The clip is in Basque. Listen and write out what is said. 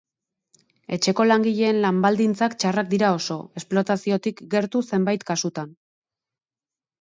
Etxeko langileen lan-baldintzak txarrak dira oso, esplotaziotik gertu zenbait kasutan.